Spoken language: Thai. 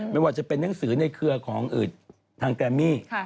ไม่ว่าจะเป็นหนังสือในเครือของทางแกรมมี่